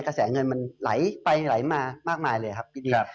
กระแสเงินมันไหลไปไหลมามากมายเลยครับพี่ดี